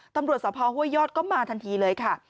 ตำรวจสภห้วยยอดก็มาทันทีเลยค่ะ